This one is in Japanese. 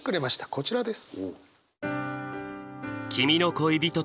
こちらです。